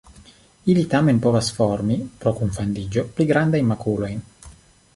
Ili tamen povas formi pro kunfandiĝo pli grandajn makulojn.